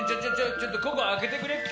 ちょっとここあけてくれんけ。